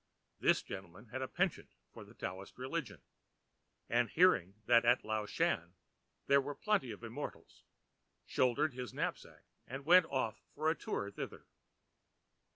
This gentleman had a penchant for the Taoist religion; and hearing that at Lao shan there were plenty of Immortals, shouldered his knapsack and went off for a tour thither.